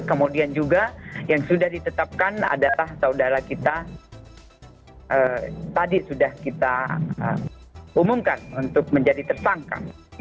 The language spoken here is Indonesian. kemudian juga yang sudah ditetapkan adalah saudara kita tadi sudah kita umumkan untuk menjadi tersangka